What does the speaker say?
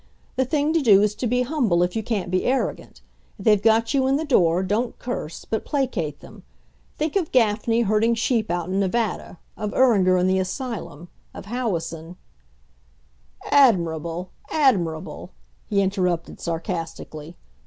The thing to do is to be humble if you can't be arrogant. If they've got you in the door, don't curse, but placate them. Think of Gaffney herding sheep out in Nevada; of Iringer in the asylum; of Howison " "Admirable! admirable!" he interrupted sarcastically.